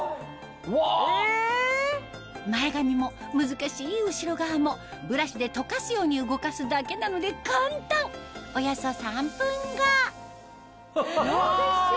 前髪も難しい後ろ側もブラシでとかすように動かすだけなので簡単およそ３分後どうでしょう？